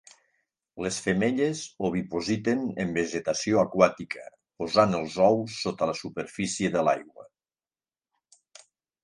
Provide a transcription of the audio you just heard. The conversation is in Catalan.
Les femelles ovipositen en vegetació aquàtica, posant els ous sota la superfície de l'aigua.